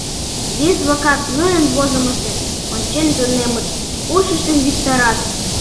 Весе-влакат нунын возымыштым ончен тунемыт, ушыштым виктарат.